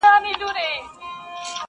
زولانه د خپل ازل یمه معذور یم؛